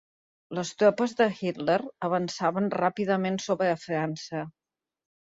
Les tropes de Hitler avançaven ràpidament sobre França.